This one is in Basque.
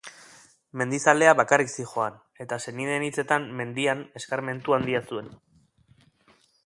Mendizalea bakarrik zihoan, eta senideen hitzetan, mendian eskarmentu handia zuen.